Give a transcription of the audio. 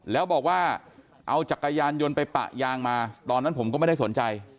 แล้วบอกว่าเอาจักรยานยนต์ไปปะยางมาตอนนั้นผมก็ไม่ได้สนใจ